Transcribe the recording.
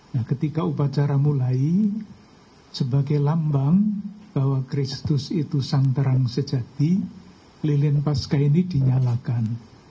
nah ketika upacara mulai sebagai lambang bahwa kristus itu santaran sejati lilin pasca ini dinyalakan